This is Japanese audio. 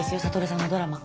諭さんのドラマ。